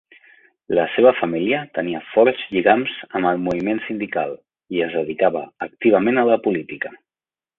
La seva família tenia forts lligams amb el moviment sindical i es dedicava activament a la política.